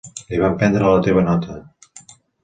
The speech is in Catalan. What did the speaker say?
Li van prendre la teva nota.